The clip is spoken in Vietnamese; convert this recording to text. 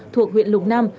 thuộc huyện lục nam